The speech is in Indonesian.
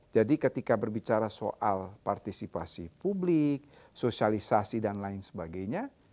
jadi ketika berbicara soal partisipasi publik sosialisasi dan lain sebagainya